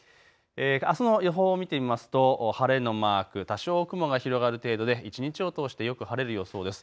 あすの予報を見てみますと晴れのマーク、多少雲が広がる程度で一日を通してよく晴れる予想です。